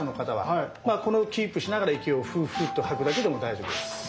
これをキープしながら息をフッフッと吐くだけでも大丈夫です。